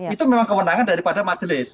itu memang kewenangan daripada majelis